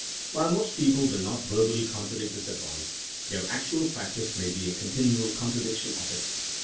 While most people will not verbally contradict this advice, their actual practice may be a continual contradiction of it.